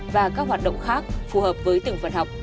và các hoạt động khác phù hợp với từng phần học